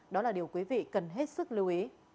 đó là điều quý vị cần hết sức lưu ý